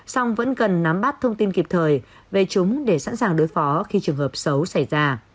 song vẫn cần nắm bắt thông tin kịp thời về chúng để sẵn sàng đối phó khi trường hợp xấu xảy ra